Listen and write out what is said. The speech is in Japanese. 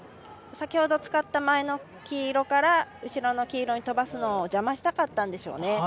先ほど使った前の黄色から後ろの黄色に飛ばすのを邪魔したかったんでしょうね。